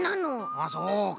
あそうか！